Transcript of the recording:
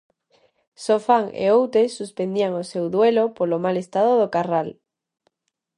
Sofán e Outes suspendian o seu duelo polo mal estado do Carral.